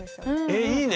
えっいいね。